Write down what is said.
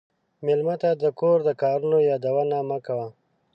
مېلمه ته د کور د کارونو یادونه مه کوه.